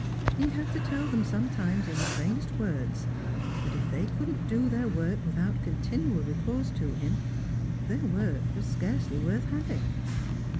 He had to tell them sometimes, in plainest words, that if they couldn't do their work without continual recourse to him, their work was scarcely worth having.